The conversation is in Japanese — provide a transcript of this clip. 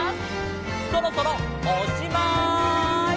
そろそろおっしまい！